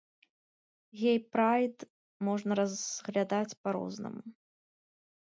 Гей-прайд можна разглядаць па-рознаму.